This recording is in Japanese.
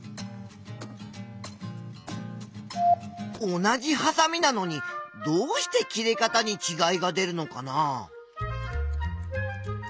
同じはさみなのにどうして切れ方にちがいが出るのかな？